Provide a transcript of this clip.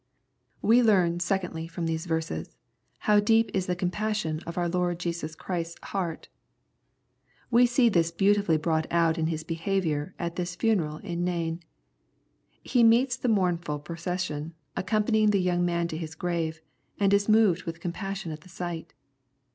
We learn, secondly, from these verses, how deep is the compassion of our Lord Jesus Christ's heart We see this beautifully brought out in His behavior at this funeral in Nain. He meets the mournful procession, accompanying the young man to his grave, and is moved with compassion at the sight.